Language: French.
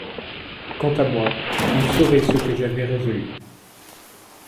Quant à moi, vous saurez ce que j'avais résolu.